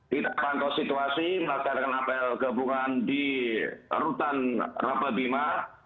kita pantau situasi melaksanakan apel gabungan di rutan rababima